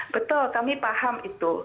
betul kami paham itu